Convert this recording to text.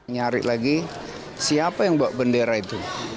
nyari lagi siapa yang bawa bendera itu